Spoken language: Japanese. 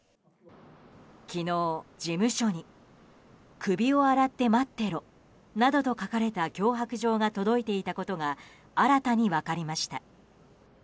昨日、事務所に首を洗って待ってろなどと書かれた脅迫状が届いていたことが新たに分かりました。